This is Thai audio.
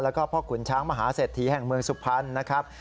แล้วก็พ่อขุนช้างมหาเศรษฐีแห่งเมืองสุพรรณนะครับ